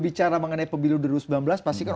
bicara mengenai pemilu dua ribu sembilan belas pastikan